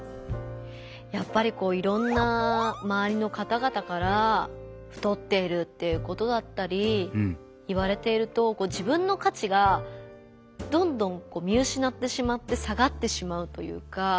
やっぱりこういろんなまわりの方々から太っているっていうことだったり言われていると自分の価値がどんどん見うしなってしまって下がってしまうというか。